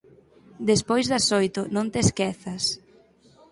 Despois das oito, non te esquezas